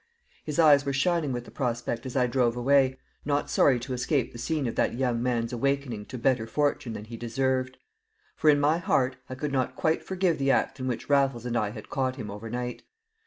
His eyes were shining with the prospect as I drove away, not sorry to escape the scene of that young man's awakening to better fortune than he deserved. For in my heart I could not quite forgive the act in which Raffles and I had caught him overnight.